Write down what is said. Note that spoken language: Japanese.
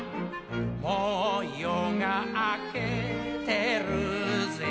「もう夜があけてるぜ」